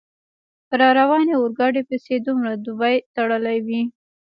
په را روانې اورګاډي پسې دومره ډبې تړلې وې.